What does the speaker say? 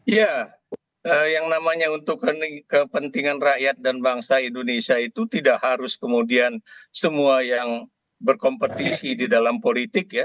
ya yang namanya untuk kepentingan rakyat dan bangsa indonesia itu tidak harus kemudian semua yang berkompetisi di dalam politik ya